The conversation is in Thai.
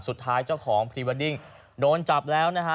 เจ้าของพรีเวดดิ้งโดนจับแล้วนะฮะ